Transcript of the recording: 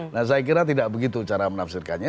nah saya kira tidak begitu cara menafsirkannya